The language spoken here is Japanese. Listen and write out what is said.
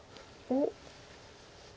おっ。